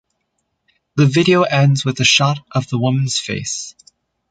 The video ends with a shot of the woman's face.